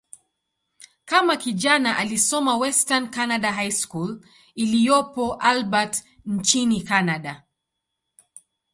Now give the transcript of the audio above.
Kama kijana, alisoma "Western Canada High School" iliyopo Albert, nchini Kanada.